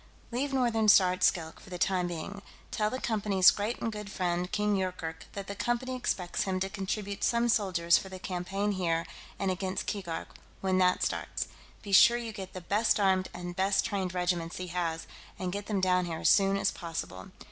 "Leave Northern Star at Skilk, for the time being. Tell the Company's great and good friend King Yoorkerk that the Company expects him to contribute some soldiers for the campaign here and against Keegark, when that starts; be sure you get the best armed and best trained regiments he has, and get them down here as soon as possible.